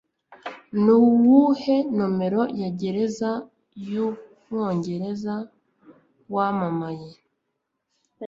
Nuwuhe nomero ya gereza yumwongereza wamamaye ?